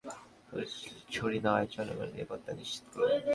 ক্ষমতায় থাকতে হলে শুধু কথার ফুলঝুরি নয়, জনগণের নিরাপত্তা নিশ্চিত করুন।